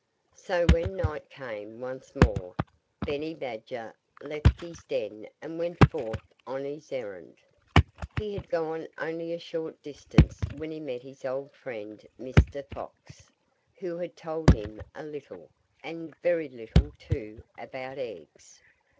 So when night came once more, Benny Badger left his den and went forth on his errand. He had gone only a short distance when he met his old friend Mr. Fox, who had told him a little and very little, too about eggs.